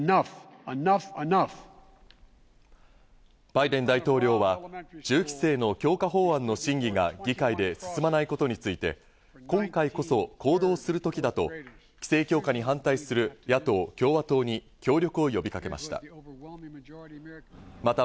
バイデン大統領は銃規制の強化法案の審議が議会で進まないことについて、今回こそ行動する時だと、規制強化に反対する野党・共和党に協力を呼びかけました。